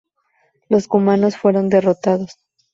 Los cumanos fueron derrotados.